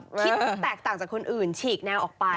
คิดแตกต่างจากคนอื่นฉีกแนวออกไป